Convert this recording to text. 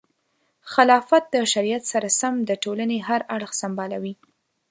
خلافت د شریعت سره سم د ټولنې هر اړخ سمبالوي.